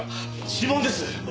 指紋です。